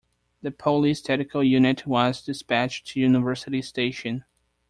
The Police Tactical Unit was dispatched to University Station.